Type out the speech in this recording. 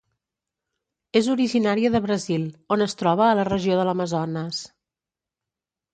És originària de Brasil, on es troba a la regió de l'Amazones.